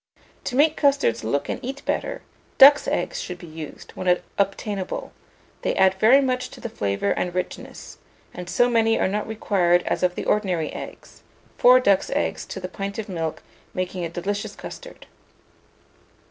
To make custards look and eat better, ducks' eggs should be used, when obtainable; they add very much to the flavour and richness, and so many are not required as of the ordinary eggs, 4 ducks' eggs to the pint of milk making a delicious custard.